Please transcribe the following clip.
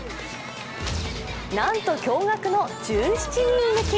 なんと驚がくの１７人抜き。